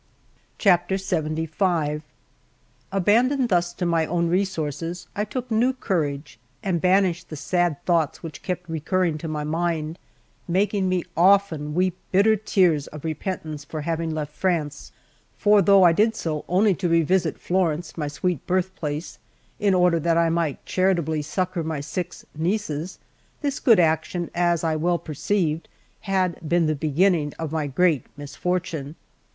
LXXV ABANDONED thus to my own resources, I took new courage, and banished the sad thoughts which kept recurring to my mind, making me often weep bitter tears of repentance for having left France; for though I did so only to revisit Florence, my sweet birthplace, in order that I might charitably succour my six nieces, this good action, as I well perceived, had been the beginning of my great misfortune.